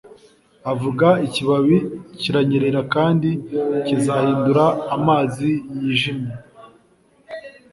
Avuga Ikibabi kiranyerera kandi kizahindura amazi yijimye